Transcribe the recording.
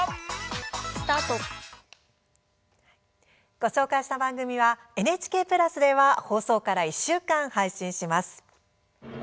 ご紹介した番組はＮＨＫプラスでは放送から１週間、配信します。